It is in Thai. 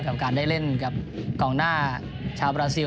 กับการได้เล่นกับกองหน้าชาวบราซิล